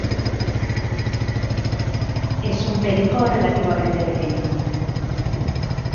Es un perico relativamente pequeño.